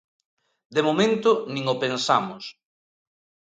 De momento nin o pensamos.